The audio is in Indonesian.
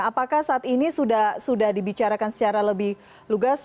apakah saat ini sudah dibicarakan secara lebih lugas